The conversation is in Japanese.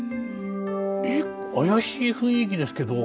えっ怪しい雰囲気ですけど。